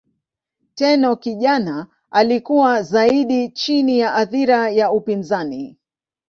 Tenno kijana alikuwa zaidi chini ya athira ya upinzani.